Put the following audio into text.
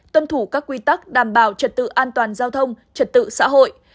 tuân thủ các quy tắc đảm bảo trật tự an toàn giao thông trật tự xã hội